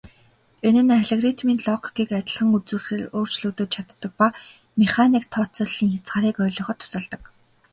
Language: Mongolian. Энэ нь алгоритмын логикийг адилхан үзүүлэхээр өөрчлөгдөж чаддаг ба механик тооцооллын хязгаарыг ойлгоход тусалдаг.